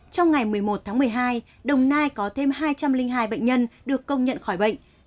trong ngày một mươi một tháng một mươi hai đồng nai có thêm hai trăm linh hai bệnh nhân được công nhận khỏi bệnh